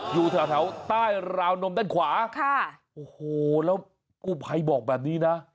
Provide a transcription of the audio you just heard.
อยู่แถวใต้ราวนมด้านขวาค่ะโอ้โหแล้วกู้ภัยบอกแบบนี้นะ